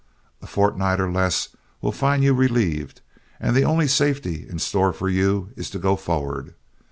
A fortnight or less will find you relieved, and the only safety in store for you is to go forward.